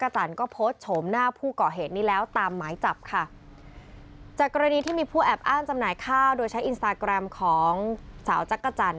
จากกรณีที่มีผู้แอบอ้านจำหน่ายข้าวโดยใช้อินสตาแกรมของสาวจักรจันทร์